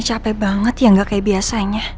ini capek banget ya gak kayak biasanya